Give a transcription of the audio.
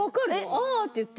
「あぁ」って言ってる。